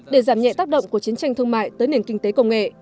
để giảm nhẹ tác động của chiến tranh thương mại tới nền kinh tế công nghệ